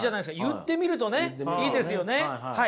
言ってみるとねいいですよね。